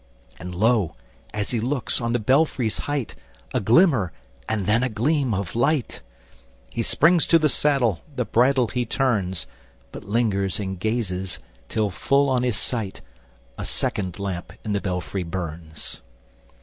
And lo! as he looks, on the belfryŌĆÖs height A glimmer, and then a gleam of light! He springs to the saddle, the bridle he turns, But lingers and gazes, till full on his sight A second lamp in the belfry burns!